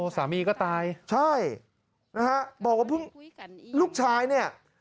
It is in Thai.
สามีก็ตายใช่นะฮะบอกว่าเพิ่งลูกชายเนี่ย